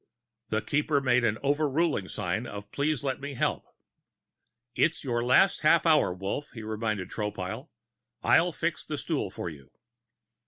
The Keeper made an overruling sign of please let me help. "It's your last half hour, Wolf," he reminded Tropile. "I'll fix the stool for you."